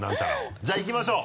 じゃあいきましょう。